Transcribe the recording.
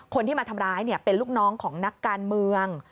คนที่มาทำร้ายเป็นลูกน้องของนักการเมือง